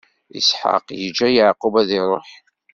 Isḥaq iǧǧa Yeɛqub ad iṛuḥ.